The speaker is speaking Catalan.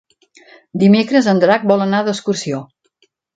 Dimecres en Drac vol anar d'excursió.